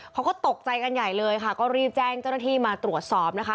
เขาก็ตกใจกันใหญ่เลยค่ะก็รีบแจ้งเจ้าหน้าที่มาตรวจสอบนะคะ